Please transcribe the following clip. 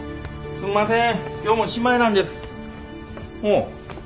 すいません。